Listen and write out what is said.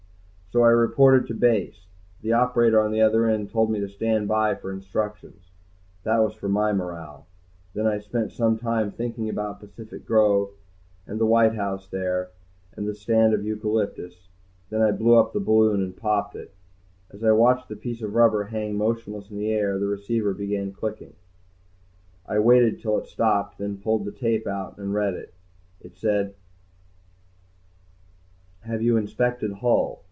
So I reported to Base. The operator on the other end told me to stand by for instructions. That was for my morale. Then I spent some time thinking about Pacific Grove, and the white house there, and the stand of eucalyptus. Then I blew up the balloon and popped it. As I was watching the piece of rubber hang motionless in the air the receiver began clicking. I waited till it stopped, then pulled out the tape and read it. It said, HAVE YOU INSPECTED HULL?